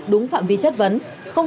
đúng phạm vi chất vấn